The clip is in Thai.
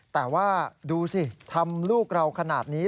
แต่ว่าดูสิทำลูกเราขนาดนี้